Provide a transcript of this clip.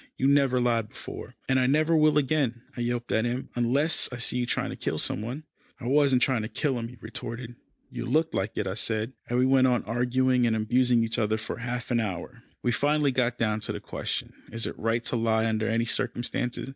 "You never lied before." "And I never will again," I yelped at him, "unless I see you trying to kill some one." "I wasn't trying to kill him," he retorted. "You looked like it," I said, and we went on arguing and abusing each other for half an hour. We finally got down to the question, is it right to lie under any circumstances?